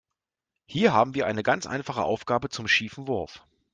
Hier haben wir eine ganz einfache Aufgabe zum schiefen Wurf.